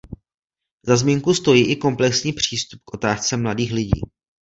Za zmínku stojí i komplexní přístup k otázce mladých lidí.